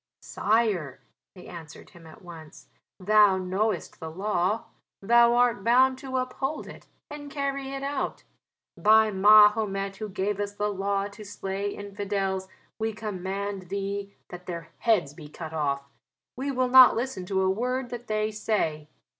"Sire," they answered him at once, "thou knowest the law: thou art bound to uphold it and carry it out. By Mahomet who gave us the law to slay infidels, we command thee that their heads be cut off. We will not listen to a word that they say.